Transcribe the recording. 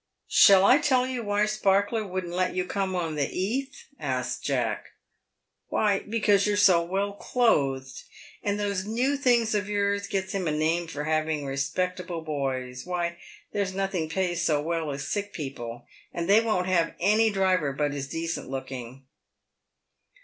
" Shall I tell you why Sparkler wouldn't let you come on the 'eath?" asked Jack. "Why, because you're so well clothed, and those new things of yours gets him a name for having respectable boys. "Why, there's nothing pays so well as sick people, and they won't have any driver but is decent looking."